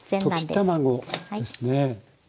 溶き卵ですね。